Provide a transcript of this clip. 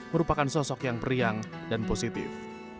merupakan sosok yang periang dan positif